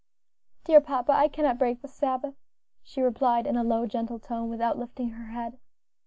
"Dear papa, I cannot break the Sabbath," she replied, in a low, gentle tone, without lifting her head.